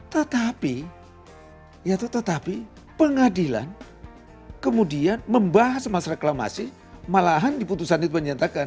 tetapi ya itu tetapi pengadilan kemudian membahas masalah reklamasi malahan diputusannya itu menyatakan